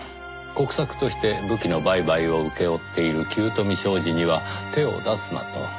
国策として武器の売買を請け負っている九斗美商事には手を出すなと？